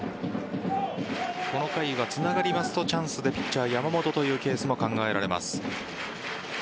この回はつながりますとチャンスでピッチャー・山本というケースも考えられます。